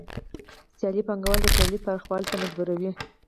سیالي پانګوال د تولید پراخوالي ته مجبوروي